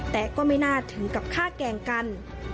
แต่ก็ไม่น่าถึงกับฆ่าแกล้งกัน